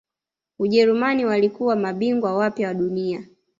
ujerumani walikuwa mabingwa wapya wa dunia